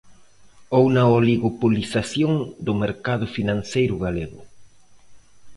Ou na 'oligopolización' do mercado financeiro galego.